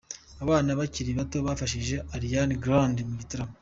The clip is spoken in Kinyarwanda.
Abana bakiri bato bafashije Ariana Grande mu gitaramo.